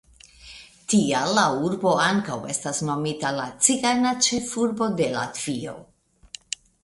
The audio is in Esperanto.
Tial la urbo ankaŭ estas nomita la cigana ĉefurbo de Latvio.